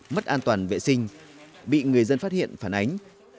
mất an toàn vệ sinh bị người dân phát hiện phản ánh